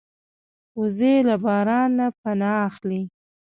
وزې له باران نه پناه اخلي